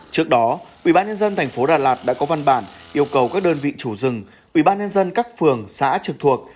trước đó ubnd tp đà lạt đã có văn bản yêu cầu các đơn vị chủ rừng ubnd các phường xã trực thuộc